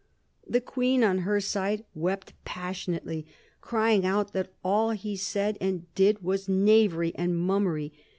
The Queen, on her side, wept passionately, crying out that all he said and did was knavery and mummery.